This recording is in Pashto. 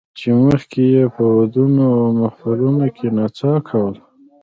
چې مخکې یې په ودونو او محفلونو کې نڅا کوله